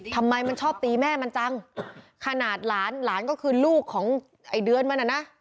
ทำไมมันชอบตีแม่มันจังขนาดหลานหลานก็คือลูกของไอ้เดือนมันอ่ะนะ